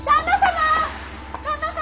旦那様！